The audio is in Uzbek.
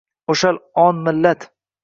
ўшал он миллат